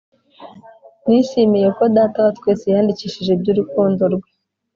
Nishimiye ko data watwese yandikishije iby’urukundo rwe